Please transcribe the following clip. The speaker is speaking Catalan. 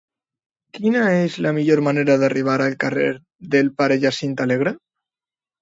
Quina és la millor manera d'arribar al carrer del Pare Jacint Alegre?